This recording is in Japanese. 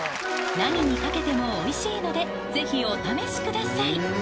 何にかけてもおいしいのでぜひお試しください